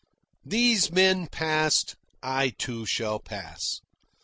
These men passed. I, too, shall pass.